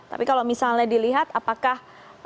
tapi kalau misalnya dilihat apakah